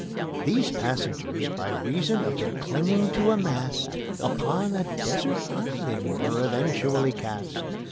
These passengers, by reason of their clinging to a mast, Upon a desert island were eventually cast.